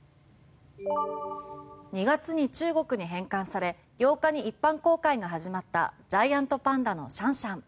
２月に中国に返還され８日に一般公開が始まったジャイアントパンダのシャンシャン。